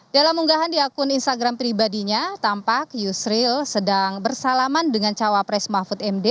dalam unggahan di akun instagram pribadinya tampak yusril sedang bersalaman dengan cawapres mahfud md